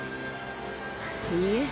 いいえ